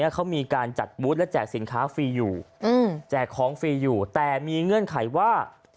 เขามีการจัดบูธและแจกสินค้าฟรีอยู่แจกของฟรีอยู่แต่มีเงื่อนไขว่า